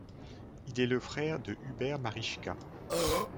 Il est le frère de Hubert Marischka.